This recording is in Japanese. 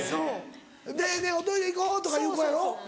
「ねぇねぇおトイレ行こう」とか言う子やろ？